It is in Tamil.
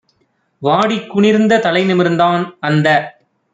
வாடிக் குனிந்த தலைநிமிர்ந்தான் - அந்த